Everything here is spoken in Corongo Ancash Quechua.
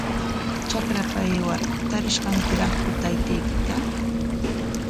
Trakrapa aywar, ¿tarish kankiraqku taytaykita?